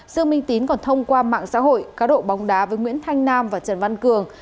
dương minh tín còn thông qua mạng xã hội cá độ bóng đá với nguyễn thanh nam và trần văn cường